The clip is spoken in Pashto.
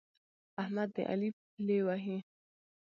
احمد د علي پلې وهي.